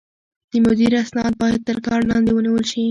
د مدير اسناد بايد تر کار لاندې ونيول شي.